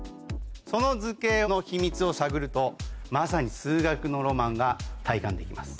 その図形の秘密を探るとまさに。が体感できます。